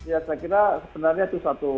ya saya kira sebenarnya itu satu